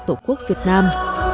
tổ quốc việt nam